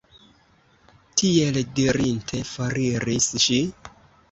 Tiel dirinte, foriris ŝi.